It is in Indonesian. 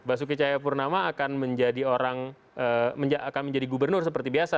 basuki cahayapurnama akan menjadi orang akan menjadi gubernur seperti biasa